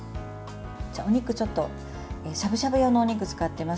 お肉、しゃぶしゃぶ用のお肉を使っています。